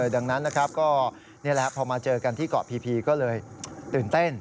ดังนั้นนะครับก็นี่แหละพอมาเจอกันที่เกาะพีก็เลยตื่นเต้น